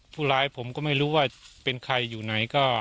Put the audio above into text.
ผู้ร้ายผมก็ไม่รู้ว่าเป็นใครอยู่ไหนก็